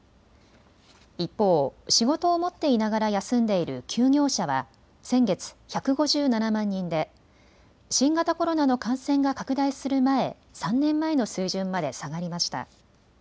一方、仕事を持っていながら休んでいる休業者は先月、１５７万人で新型コロナの感染が拡大する前３年前の水準まで下がりました。